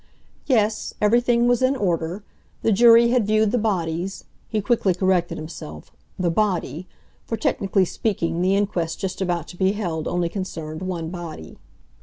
Yes, everything was in order. The jury had viewed the bodies—he quickly corrected himself—the body, for, technically speaking, the inquest just about to be held only concerned one body.